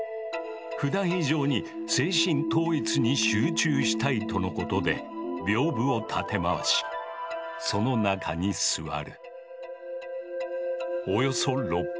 ふだん以上に精神統一に集中したいとのことで屏風を立て回しその中に座る。